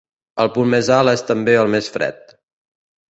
El punt més alt és també el més fred.